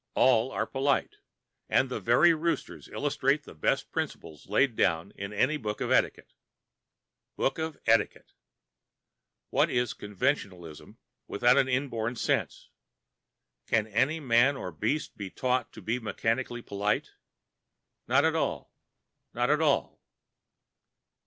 All are polite, and the very roosters illustrate the best principles laid down in any book of etiquette. Book of Etiquette! What is conventionalism without the inborn sense? Can any man or beast be taught to be mechanically polite? Not at all—not at all!...